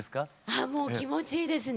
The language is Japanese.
あっもう気持ちいいですね。